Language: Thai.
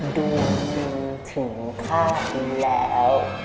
ดูถึงข้าแล้ว